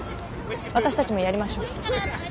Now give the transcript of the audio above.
私たちもやりましょう。